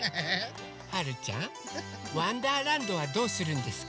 はるちゃん「わんだーらんど」はどうするんですか？